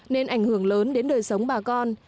nên ảnh hưởng lớn đến đời sống bà con